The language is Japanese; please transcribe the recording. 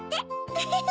ウフフ！